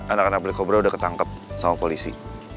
anak anak beli kobra udah ketangkep sama polisi